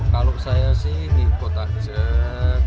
kalau saya di kota jek